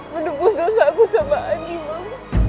menembus dosa aku sama andi mam